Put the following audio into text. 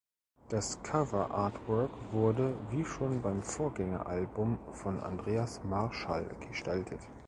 Das Cover-Artwork wurde, wie schon beim Vorgängeralbum, von Andreas Marschall gestaltet.